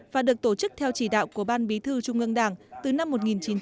và được tổ chức theo chỉ đạo của ban bí thư trung ương đảng từ năm một nghìn chín trăm chín mươi